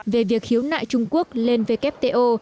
về việc hiếu nại trung quốc lên wto